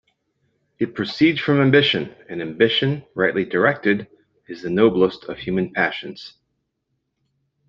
It proceeds from ambition; and ambition, rightly directed, is the noblest of human passions.